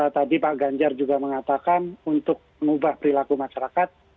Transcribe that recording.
tadi pak ganjar juga mengatakan untuk mengubah perilaku masyarakat